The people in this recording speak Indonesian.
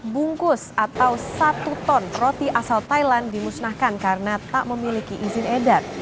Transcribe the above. dua ribu lima ratus enam puluh empat bungkus atau satu ton roti asal thailand dimusnahkan karena tak memiliki izin edar